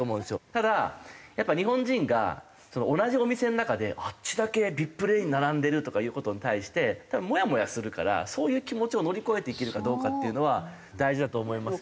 ただやっぱ日本人が同じお店の中で「あっちだけＶＩＰレーンに並んでる」とかいう事に対して多分モヤモヤするからそういう気持ちを乗り越えていけるかどうかっていうのは大事だと思いますけど。